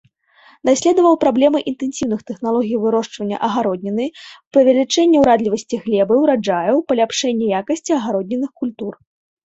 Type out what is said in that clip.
Даследаваў праблемы інтэнсіўных тэхналогій вырошчвання агародніны, павелічэння ўрадлівасці глебы, ураджаяў, паляпшэння якасці агароднінных культур.